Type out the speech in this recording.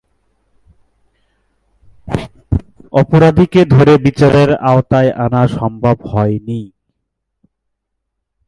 অপরাধীকে ধরে বিচারের আওতায় আনা সম্ভব হয়নি।